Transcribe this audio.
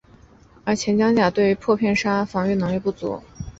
而且前装甲对于破片杀伤防御能力不足。